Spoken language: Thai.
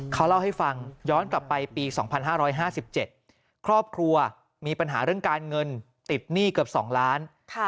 เขาเล่าให้ฟังย้อนกลับไปปี๒๕๕๗ครอบครัวมีปัญหาเรื่องการเงินติดหนี้เกือบ๒ล้าน